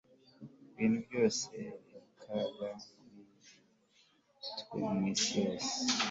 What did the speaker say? ibintu byose biri mukaga kuri twe mwisi yose